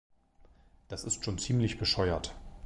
Das ist schon ziemlich bescheuert.